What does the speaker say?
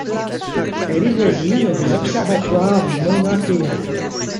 Elle est voisine des observatoires du Mauna Kea.